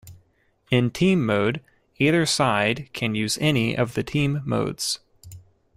In Team mode, either side can use any of the team modes.